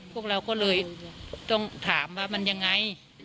พวกเราก็เลยต้องถามว่ามันยังไง